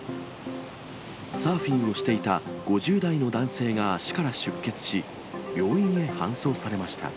サーフィンをしていた５０代の男性が足から出血し、病院へ搬送されました。